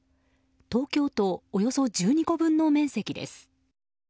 東京都およそ１２個分の面積です。